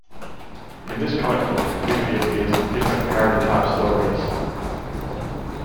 In this comic book Goofy appears in different parody type stories.